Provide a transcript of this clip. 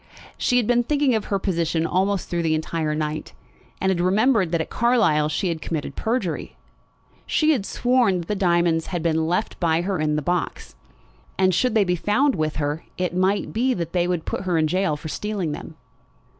She had been thinking of her position almost through the entire night, and had remembered that at Carlisle she had committed perjury. She had sworn that the diamonds had been left by her in the box. And should they be found with her it might be that they would put her in gaol for stealing them.